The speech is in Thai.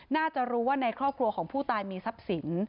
น่าจะรู้ว่าในครอบครัวของผู้ตายมีทรัพย์สิน